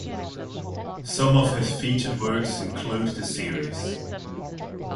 Some of his featured works include the series.